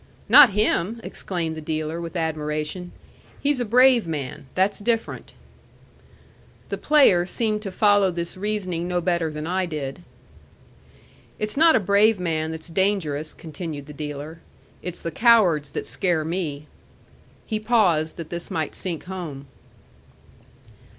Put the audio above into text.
"Not him!" exclaimed the dealer with admiration. "He's a brave man. That's different." The player seemed to follow this reasoning no better than I did. "It's not a brave man that's dangerous," continued the dealer. "It's the cowards that scare me." He paused that this might sink home.